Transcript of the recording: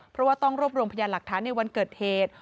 เพราะว่าต้องรวบรวมพยานหลักฐานในวันเกิดเหตุ